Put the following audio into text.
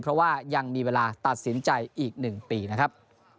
เพราะว่ายังมีเวลาตัดสินใจอีก๑ปีนะครับ